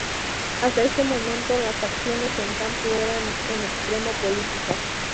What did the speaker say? Hasta este momento, las acciones en campo eran en extremo políticas.